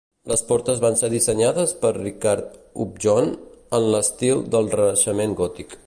Les portes van ser dissenyades per Richard Upjohn en l'estil del renaixement gòtic.